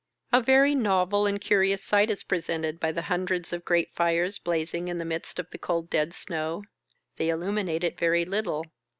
A very novel and curious sight is presented by the hundreds of great fires blazing in the midst of the cold dead snow. They illuminate it very little.